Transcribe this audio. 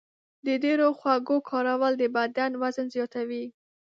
د ډېرو خوږو کارول د بدن وزن زیاتوي.